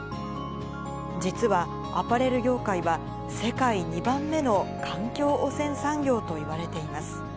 実はアパレル業界は、世界２番目の環境汚染産業といわれています。